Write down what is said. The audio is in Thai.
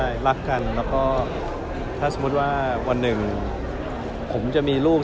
ใช่รักกันแล้วก็ถ้าสมมุติว่าวันหนึ่งผมจะมีลูก